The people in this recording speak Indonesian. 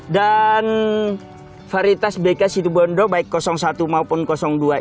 dan varitas bk situbondo baik satu maupun dua ini